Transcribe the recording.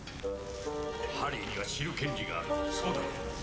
ハリーには知る権利があるそうだろう？